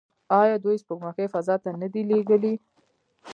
آیا دوی سپوږمکۍ فضا ته نه دي لیږلي؟